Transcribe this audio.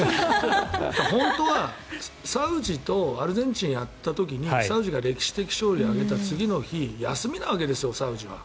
本当はサウジとアルゼンチンをやった時にサウジが歴史的勝利を挙げた次の日休みなわけですよ、サウジは。